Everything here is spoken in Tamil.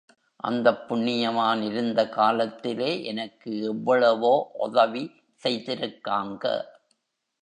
அந்தப் புண்ணியவான் இருந்த காலத்திலே எனக்கு எவ்வளவோ ஒதவி செய்திருக்காருங்க.